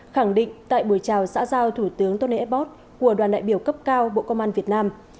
khẳng định tại buổi trào xã giao thủ tướng tony abbott của đoàn đại biểu cấp cao bộ công an việt nam